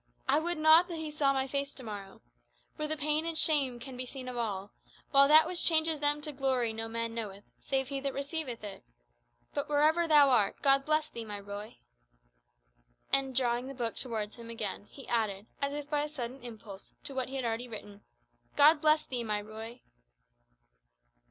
I would not that he saw my face to morrow. For the pain and the shame can be seen of all; while that which changes them to glory no man knoweth, save he that receiveth it. But, wherever thou art, God bless thee, my Ruy!" And drawing the book towards him again, he added, as if by a sudden impulse, to what he had already written, "God bless thee, my Ruy!"